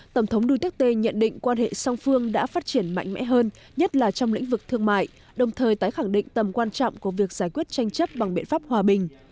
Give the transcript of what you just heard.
tổng thống duterte nhận định quan hệ song phương đã phát triển mạnh mẽ hơn nhất là trong lĩnh vực thương mại đồng thời tái khẳng định tầm quan trọng của việc giải quyết tranh chấp bằng biện pháp hòa bình